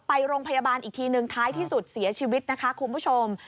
ไปโรงพยาบาลอีกทีนึงท้ายที่สุดเสียชีวิตนะคะคุณผู้ชม